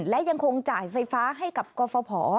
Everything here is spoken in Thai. และยังคงจ่ายไฟฟ้าให้กับกรฟภ